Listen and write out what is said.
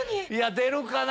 出るかな？